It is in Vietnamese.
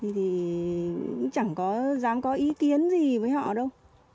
thì cũng chẳng có dám có ý kiến gì với họ đâu